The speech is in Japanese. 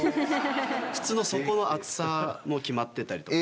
靴の底の厚さも決まってたりとか。